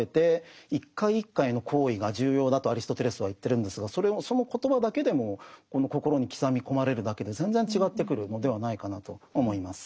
とアリストテレスは言ってるんですがその言葉だけでも心に刻み込まれるだけで全然違ってくるのではないかなと思います。